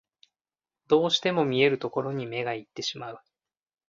どうしても見えるところに目がいってしまう